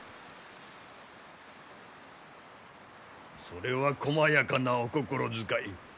それはこまやかなお心遣い。